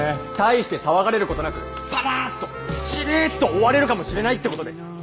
大して騒がれることなくさらっとしれっと終われるかもしれないってことです！